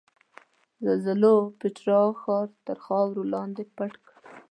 زلزلو پیترا ښار تر خاورو لاندې پټ کړ.